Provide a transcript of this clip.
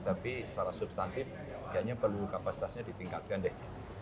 tapi secara substantif kayaknya perlu kapasitasnya ditingkatkan deh